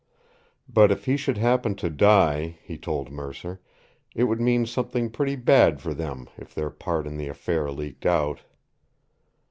But if he should happen to die, he told Mercer, it would mean something pretty bad for them, if their part in the affair leaked out.